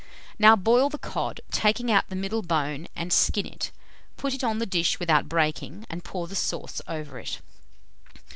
Now boil the cod, take out the middle bone, and skin it; put it on the dish without breaking, and pour the sauce over it.